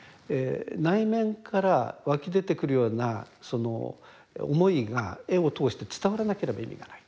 内面から湧き出てくるようなその思いが絵を通して伝わらなければ意味がない。